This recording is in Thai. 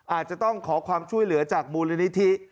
อาจจะต้องขอความช่วยเหลือจากมูลนิธิ